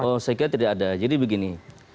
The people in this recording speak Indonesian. oh saya kira tidak ada jadi begini